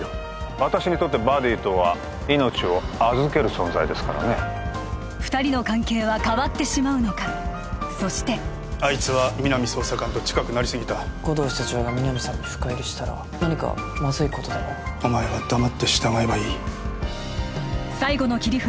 私にとってバディとは命を預ける存在ですからね二人の関係は変わってしまうのかそしてあいつは皆実捜査官と近くなりすぎた護道室長が皆実さんに深入りしたら何かまずいことでもお前は黙って従えばいい最後の切り札